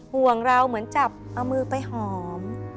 ห่วงเราเหมือนจับเอามือไปหอม